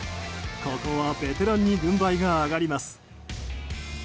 ここはベテランに軍配が上がります。